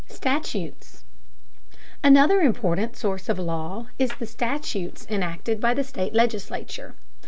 STATUTES. Another important source of law is the statutes enacted by the state legislature.